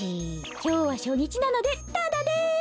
きょうはしょにちなのでタダです！